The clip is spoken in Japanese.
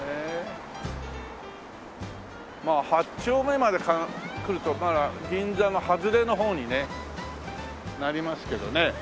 まあ８丁目まで来ると銀座の外れの方にねなりますけどね。